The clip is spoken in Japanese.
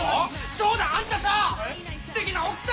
そうだあんたさ！